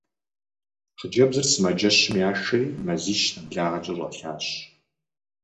Хъыджэбзыр сымаджэщым яшэри, мазищ нэблагъэкӏэ щӀэлъащ.